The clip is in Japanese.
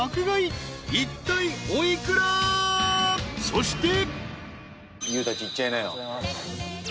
［そして！］